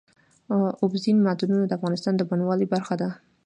اوبزین معدنونه د افغانستان د بڼوالۍ برخه ده.